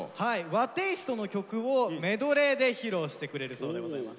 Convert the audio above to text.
和テーストの曲をメドレーで披露してくれるそうでございます。